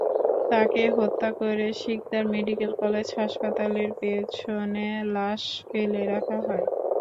তাঁকে হত্যা করে সিকদার মেডিকেল কলেজ হাসপাতালের পেছনে লাশ ফেলে রাখা হয়।